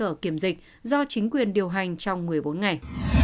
cơ sở kiểm dịch do chính quyền điều hành trong một mươi bốn ngày